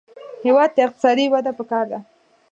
هېواد ته اقتصادي وده پکار ده